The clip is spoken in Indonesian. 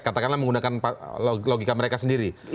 katakanlah menggunakan logika mereka sendiri